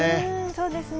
そうですね。